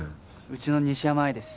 うちの西山愛です。